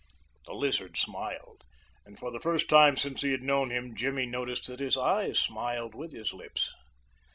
The Lizard smiled, and for the first time since he had known him Jimmy noticed that his eyes smiled with his lips.